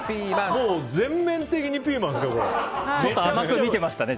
もう全面的にピーマンですからね。